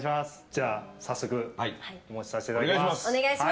早速、お持ちさせていただきます。